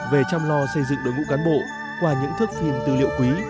về chăm lo xây dựng đội ngũ cán bộ qua những thước phim tư liệu quý